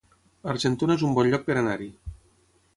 Argentona es un bon lloc per anar-hi